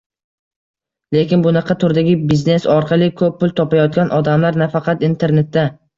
Lekin bunaqa turdagi biznes orqali ko’p pul topayotgan odamlar nafaqat internetda